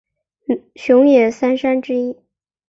熊野三山之一。